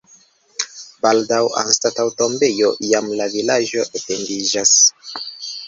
Baldaŭ anstataŭ tombejo jam la vilaĝo etendiĝas.